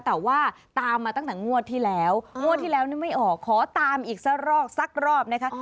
แต่ว่าตามมาตั้งแต่งวดที่แล้วงวดที่แล้วนี่ไม่ออกขอตามอีกสักรอบสักรอบนะคะ